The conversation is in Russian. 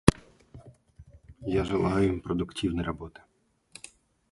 Я желаю им продуктивной работы.